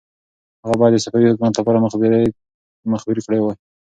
هغه باید د صفوي حکومت لپاره مخبري کړې وای.